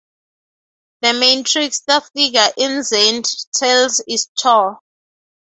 The main trickster figure in Zande tales is Ture.